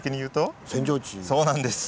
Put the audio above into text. そうなんです！